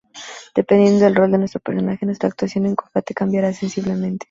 Dependiendo del rol de nuestro personaje, nuestra actuación en combate cambiará sensiblemente.